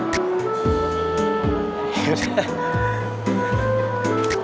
sampai jumpa lagi